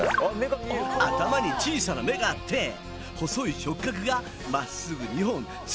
頭に小さな目があって細い触角がまっすぐ２本突き出してる！